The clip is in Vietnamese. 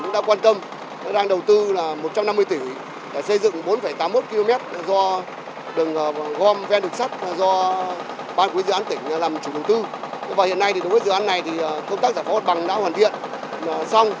đối với dự án này công tác giải phóng bằng đã hoàn thiện xong